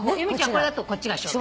これだとこっちが正面。